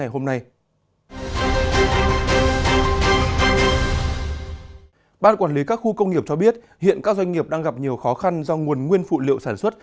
với các khu công nghiệp cho biết hiện các doanh nghiệp đang gặp nhiều khó khăn do nguồn nguyên phụ liệu sản xuất